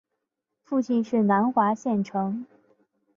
父亲是南华县丞。